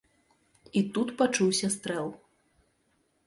І тут пачуўся стрэл.